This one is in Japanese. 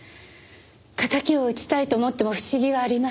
敵を討ちたいと思っても不思議はありません。